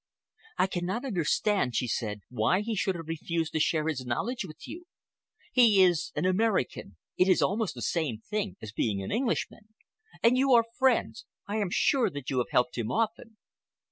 "I cannot understand," she said, "why he should have refused to share his knowledge with you. He is an American—it is almost the same thing as being an Englishman. And you are friends,—I am sure that you have helped him often."